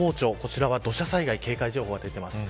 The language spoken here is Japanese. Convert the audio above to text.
こちらは土砂災害警戒情報が出ています。